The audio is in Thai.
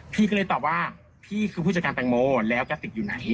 พี่ก็เลยตอบว่าพี่คือผู้จัดการแตงโมแล้วกระติกอยู่ไหน